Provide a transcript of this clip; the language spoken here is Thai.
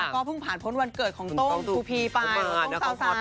ก็ผ่านพอดีวันเกิดของต้มกูพีต้มกูซาวซาย